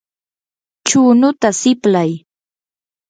chunuta siplay.